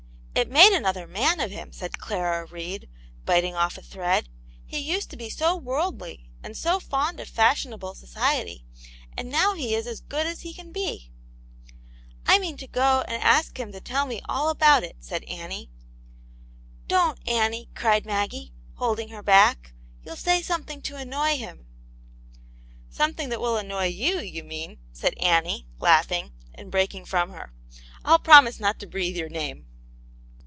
" It made another man of him," said Clara Reed, biting off a thread. " He used to be so worldly and so fond of fashionable society ; and now he is as good as he can be.*' I mean to go and ask him to tell me all about' it," said Annie. " Don't, Annie ;" cried Maggie, holding her back ;" you'll say something to annoy him," " Something that will annoy you, you mean," said Annie, laughing, and breaking from her. " I'll promise not to breathe your name."